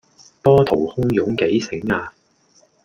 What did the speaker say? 波濤洶湧幾醒呀